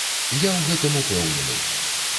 Я ў гэтым ўпэўнены!